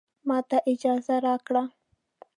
ماته اجازه راکړه